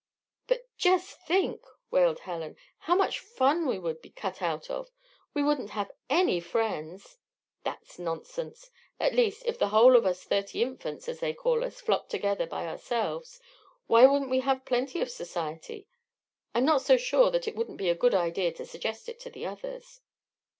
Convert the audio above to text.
's." "But just think!" wailed Helen. "How much fun we would be cut out of! We wouldn't have any friends " "That's nonsense. At least, if the whole of us thirty Infants, as they call us, flocked together by ourselves, why wouldn't we have plenty of society? I'm not so sure that it wouldn't be a good idea to suggest it to the others."